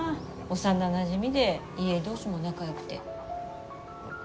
幼なじみで家同士も仲よくて。